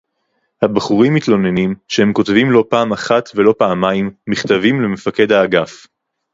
הבחורים מתלוננים שהם כותבים לא פעם אחת ולא פעמיים מכתבים למפקד האגף